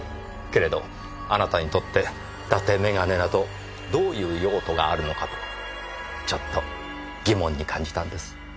けれどあなたにとって伊達眼鏡などどういう用途があるのかとちょっと疑問に感じたんです。